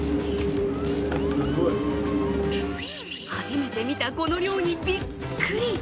初めて見たこの量にビックリ。